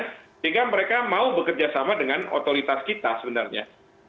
sehingga mereka mau bekerja sama dengan otoritas kita sebenarnya